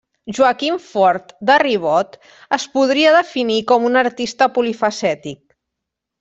Joaquim Fort de Ribot es podria definir com un artista polifacètic.